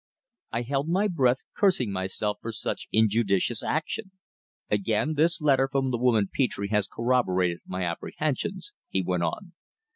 I held my breath, cursing myself for such injudicious action. "Again, this letter from the woman Petre has corroborated my apprehensions," he went on.